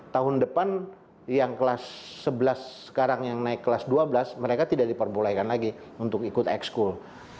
tahun depan yang kelas sebelas sekarang yang naik kelas dua belas mereka tidak diperbolehkan lagi untuk ikut ex school